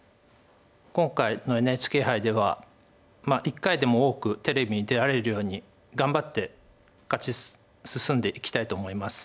今回のＮＨＫ杯では一回でも多くテレビに出られるように頑張って勝ち進んでいきたいと思います。